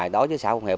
đối với xã phung hiệp